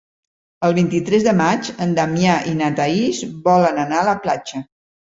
El vint-i-tres de maig en Damià i na Thaís volen anar a la platja.